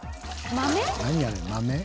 豆？